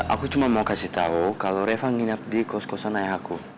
aku cuma mau kasih tau kalau reva nginap di kos kosan ayahku